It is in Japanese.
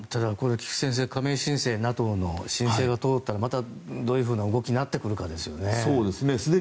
菊地先生加盟申請、ＮＡＴＯの申請が通ったらどういう動きになってくるかですね。